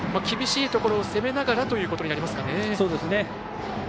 厳しいところを攻めながらということになりますかね。